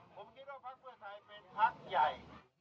ผมคิดว่าพักเพื่อไทยเป็นพักใหญ่